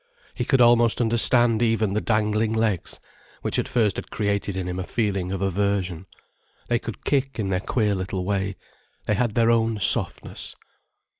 He could almost understand even the dangling legs, which at first had created in him a feeling of aversion. They could kick in their queer little way, they had their own softness.